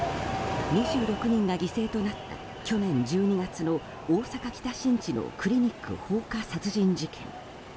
２６人が犠牲となった去年１２月の大阪・北新地のクリニック放火殺人事件。